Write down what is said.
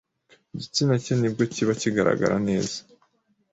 igitsina ke nibwo kiba kigaragaragara neza.